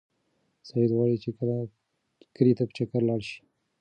سعید غواړي چې کلي ته په چکر لاړ شي.